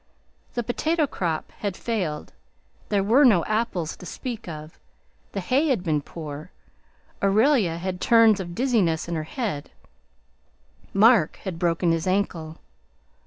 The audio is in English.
The potato crop had failed; there were no apples to speak of; the hay had been poor; Aurelia had turns of dizziness in her head; Mark had broken his ankle.